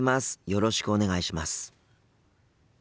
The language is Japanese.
よろしくお願いします。